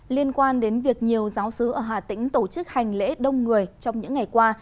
liên quan đến việc nhiều giáo sứ ở hà tĩnh tổ chức hành lễ đông người trong những ngày qua